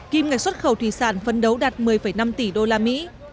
kim ngạch xuất khẩu thủy sản phân đấu đạt một mươi năm tỷ usd